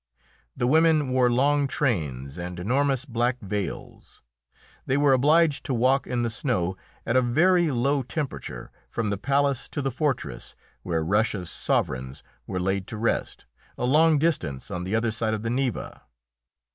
The women wore long trains and enormous black veils. They were obliged to walk in the snow, at a very low temperature, from the palace to the fortress, where Russia's sovereigns were laid to rest, a long distance on the other side of the Neva.